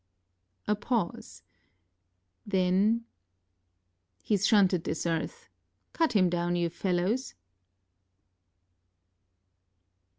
ŌĆØ A pause then: ŌĆ£HeŌĆÖs shunted this earth. Cut him down, you fellows!